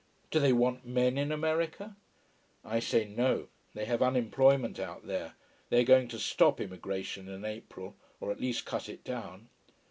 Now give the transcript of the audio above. Do they want men in America? I say no, they have unemployment out there: they are going to stop immigration in April: or at least cut it down.